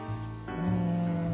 うん。